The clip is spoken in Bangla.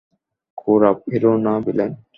কৌরাভ হিরো না ভিলেন?